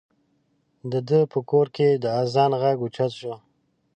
د ده په کور کې د اذان غږ اوچت شو.